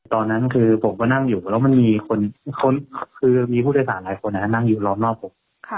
ตอนนั้นคือผมก็นั่งอยู่แล้วมันมีคนคือมีผู้โดยสารหลายคนนั่งอยู่ล้อมรอบผม